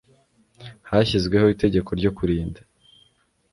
hashyizweho itegeko ryo kurinda